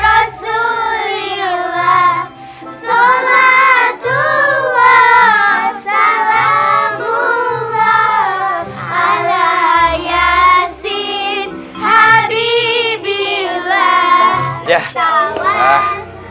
rasulullah sholatullah salamullah ala yasid habibillah